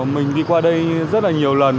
mình đi qua đây rất là nhiều lần